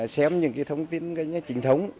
xem những thông tin trình thống